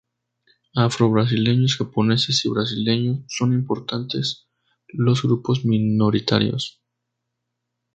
Afro-brasileños, japoneses y brasileños-son importantes los grupos minoritarios.